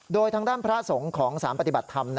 โดยทางด้านพระสงฆ์ของสารปฏิบัติธรรม